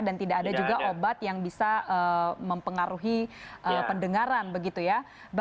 dan tidak ada juga obat yang bisa mempengaruhi pendengaran begitu ya